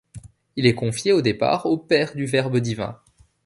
Il est confié au départ aux pères du Verbe-Divin.